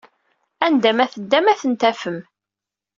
Anda ma teddam ad ten-tafem!